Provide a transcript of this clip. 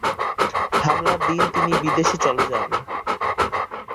হামলার দিন তিনি বিদেশে চলে যান।